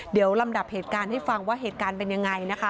เดี๋ยวลำดับเหตุการณ์ให้ฟังว่าเหตุการณ์เป็นยังไงนะคะ